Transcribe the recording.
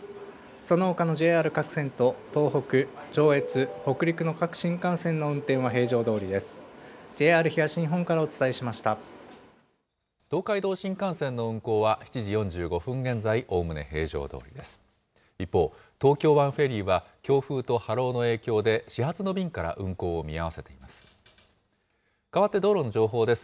そのほかのＪＲ各線と東北、上越、北陸の各新幹線の運転は平常どおりです。